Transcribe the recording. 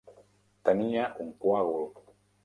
Tenia un coàgul.